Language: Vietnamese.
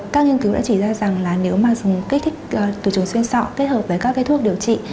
các nghiên cứu đã chỉ ra rằng là nếu mà dùng kích thích từ trường xuyên sọ kết hợp với các cái thuốc điều trị